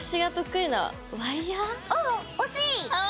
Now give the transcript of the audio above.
惜しい！